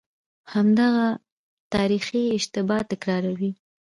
همدغه تاریخي اشتباه تکراروي.